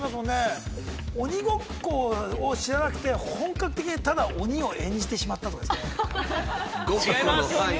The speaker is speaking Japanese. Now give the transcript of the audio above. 鬼ごっこを知らなくて、本格的に鬼を演じてしまった？